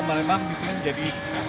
memang disini jadi